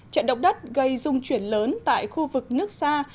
trận động đất gây dung chuyển lớn tại khu vực nước xa